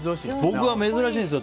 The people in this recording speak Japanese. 僕は珍しいですよ。